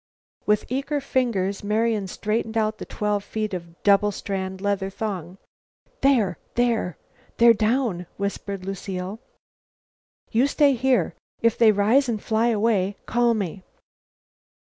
With eager fingers Marian straightened out the twelve feet of double strand leather thong. "There! There! They're down!" whispered Lucile. "You stay here. If they rise and fly away, call me."